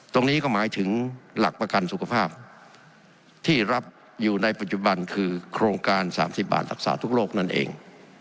ตรงนี้ก็หมายถึงหลักประกันสุขภาพที่รับอยู่ในปัจจุบันคือโครงการ๓๐บาทรักษาทุกโลกนั่นเอง